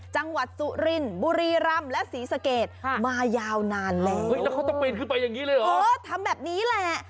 จังหวัดสุรินบุรีรำและศรีสะเกตมายาวนานแล้ว